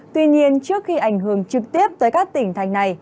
tuy nhiên trước khi ảnh hưởng trực tiếp tới các tỉnh thành này